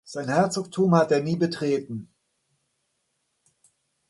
Sein Herzogtum hat er nie betreten.